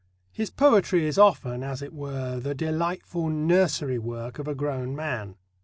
His poetry is often, as it were, the delightful nursery work of a grown man.